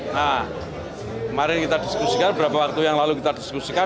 nah kemarin kita diskusikan beberapa waktu yang lalu kita diskusikan